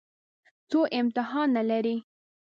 څو امتحانه لرئ؟